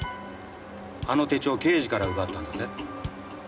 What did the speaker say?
あの手帳刑事から奪ったんだぜ。